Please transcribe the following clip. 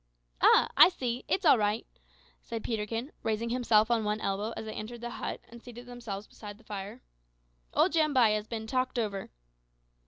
"Ah! I see; it's all right," said Peterkin, raising himself on one elbow as they entered the hut and seated themselves beside the fire. "Old Jambai has been `talked over.'"